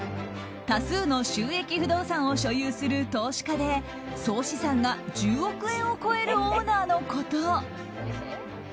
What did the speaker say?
多数の収益不動産を所有する投資家で総資産が１０億円を超えるオーナーのこと。